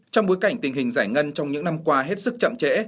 trong bối cảnh tình hình giải ngân trong những năm qua hết sức chậm trễ